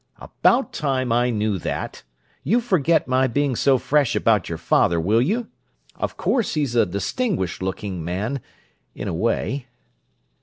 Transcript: "About time I knew that! You forget my being so fresh about your father, will you? Of course he's a distinguished looking man, in a way."